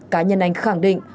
cá nhân anh khẳng định